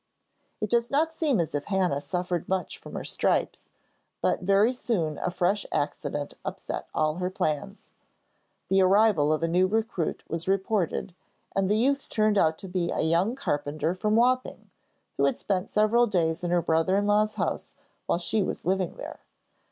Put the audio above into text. It does not seem as if Hannah suffered much from her stripes, but very soon a fresh accident upset all her plans. The arrival of a new recruit was reported, and the youth turned out to be a young carpenter from Wapping, who had spent several days in her brother in law's house while she was living there.